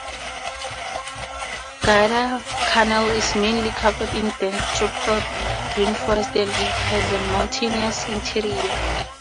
Guadalcanal is mainly covered in dense tropical rainforest and it has a mountainous interior.